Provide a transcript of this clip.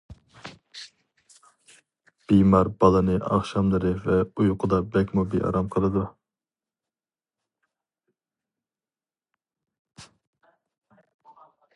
بىمار بالىنى ئاخشاملىرى ۋە ئۇيقۇدا بەكمۇ بىئارام قىلىدۇ.